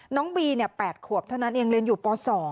น้องบี๘ขวบเท่านั้นเองเรียนอยู่ป๒